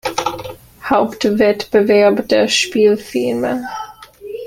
Hauptwettbewerb der Spielfilme.